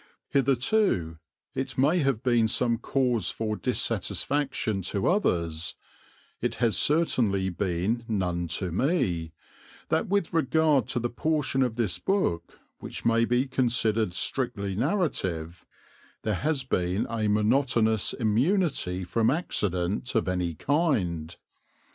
Hitherto it may have been some cause for dissatisfaction to others, it has certainly been none to me, that with regard to the portion of this book which may be considered strictly narrative, there has been a monotonous immunity from accident of any kind.